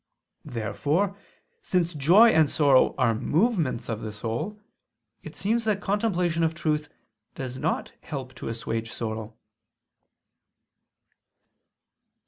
Therefore, since joy and sorrow are movements of the soul, it seems that the contemplation of truth does not help to assuage sorrow. Obj.